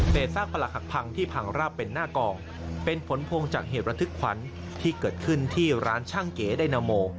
ซากประหลักหักพังที่พังราบเป็นหน้ากองเป็นผลพวงจากเหตุระทึกขวัญที่เกิดขึ้นที่ร้านช่างเก๋ไดนาโม